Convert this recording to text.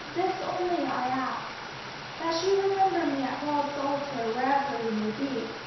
This only I ask that you remember me at God's Altar wherever you may be."